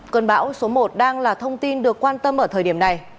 cơn bão số một đang là thông tin được quan tâm ở thời điểm này